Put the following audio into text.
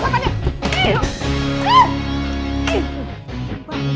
gak ada siapa satu